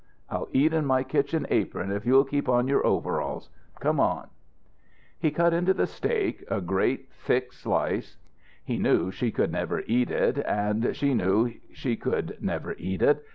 I'll eat in my kitchen apron, if you'll keep on your overalls. Come on." He cut into the steak a great thick slice. He knew she could never eat it, and she knew she could never eat it.